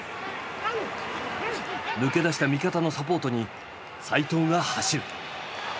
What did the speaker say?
抜け出した味方のサポートに齋藤が走る。